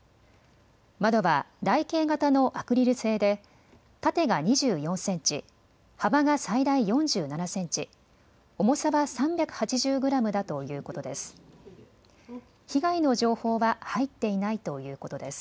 窓は台形型のアクリル製で縦が２４センチ、幅が最大４７センチ、重さは３８０グラムだということです。